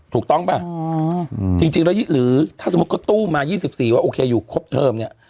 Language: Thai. ถูกต้องป่ะจริงแล้วหรือถ้าสมมุติเขาตู้มา๒๔ว่าโอเคอยู่ครบเทอมเนี่ย